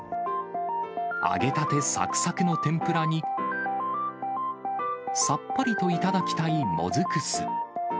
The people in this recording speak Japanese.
揚げたてさくさくの天ぷらに、さっぱりと頂きたいもずく酢。